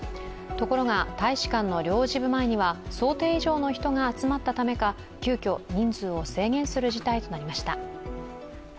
ところが大使館の前には想定以上の人が集まったためか急きょ、人数を制限する事態となりました。